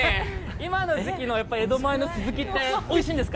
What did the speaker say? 今の時期の江戸前のスズキって、おいしいんですか？